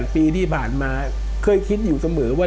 ปีที่ผ่านมาเคยคิดอยู่เสมอว่า